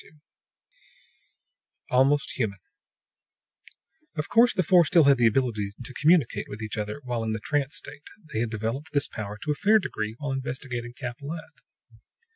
II ALMOST HUMAN Of course, the four still had the ability to communicate with each other while in the trance state; they had developed this power to a fair degree while investigating Capellette.